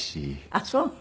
あっそう。